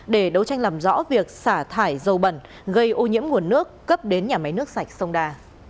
để đấu tranh làm rõ việc xả thải dầu bẩn gây ô nhiễm nguồn nước cấp đến nhà máy nước sạch sông đà